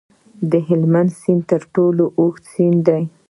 د هلمند سیند تر ټولو اوږد سیند دی